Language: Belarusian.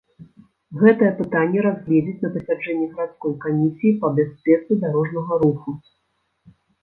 Гэтае пытанне разгледзяць на пасяджэнні гарадской камісіі па бяспецы дарожнага руху.